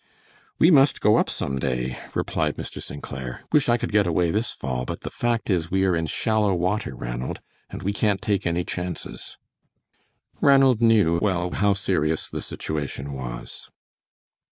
"We must go up some day," replied Mr. St. Clair. "Wish I could get away this fall, but the fact is we are in shallow water, Ranald, and we can't take any chances." Ranald knew well how serious the situation was.